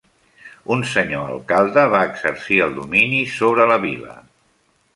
Un senyor alcalde va exercir el domini sobre la vila.